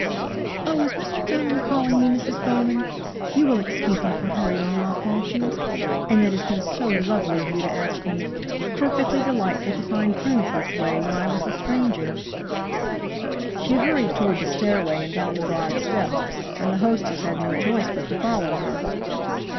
"Oh, is Mr. Dunham calling me, Mrs. Bowman? You will excuse me for hurrying off, won't you? And it has been so lovely of you to ask me perfectly delightful to find friends this way when I was a stranger." She hurried toward the stairway and down the broad steps, and the hostess had no choice but to follow her.